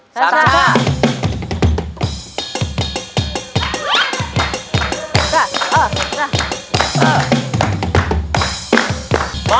สามชา